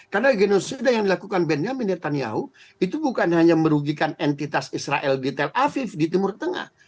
karena genosida yang dilakukan benjamin netanyahu itu bukan hanya merugikan entitas israel di tel aviv di timur tengah